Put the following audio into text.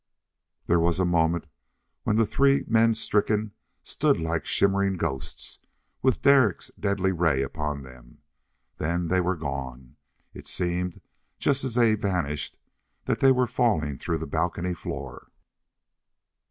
There was a moment when the three stricken men stood like shimmering ghosts, with Derek's deadly ray upon them. Then they were gone! It seemed, just as they vanished, that they were falling through the balcony floor....